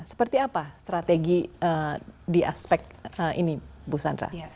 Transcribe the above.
seperti apa strategi di aspek ini bu sandra